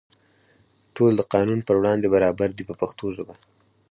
ټول د قانون په وړاندې برابر دي په پښتو ژبه.